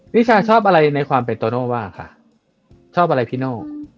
วิชาชอบอะไรในความเป็นโตโน่ว่าคะชอบอะไรพี่โน่